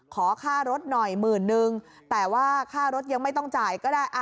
ขอค่ารถหน่อยหมื่นนึงแต่ว่าค่ารถยังไม่ต้องจ่ายก็ได้